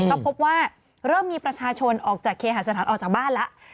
ก็พบว่าเริ่มมีประชาชนออกจากเคหาสถานออกจากบ้านแล้ว